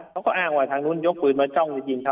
เขาก็อ้างว่าทางนู้นยกปืนมาจ้องยิงเขา